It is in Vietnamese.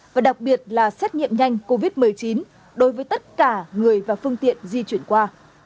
và đặc biệt là xét nghiệm nhanh covid một mươi chín đối với tất cả người và phương tiện di chuyển qua